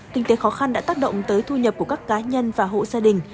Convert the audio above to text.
kinh tế khó khăn đã tác động tới thu nhập của các cá nhân và hộ gia đình